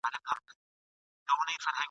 عاقبت به یې مغزی پکښي ماتیږي ..